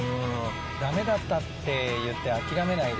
ダメだったっていって諦めないでさ